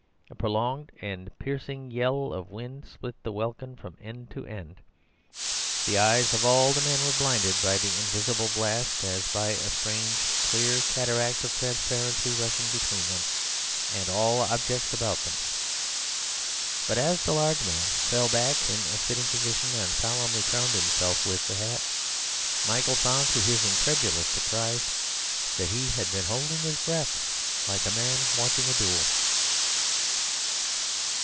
A prolonged and piercing yell of wind split the welkin from end to end. The eyes of all the men were blinded by the invisible blast, as by a strange, clear cataract of transparency rushing between them and all objects about them. But as the large man fell back in a sitting posture and solemnly crowned himself with the hat, Michael found, to his incredulous surprise, that he had been holding his breath, like a man watching a duel.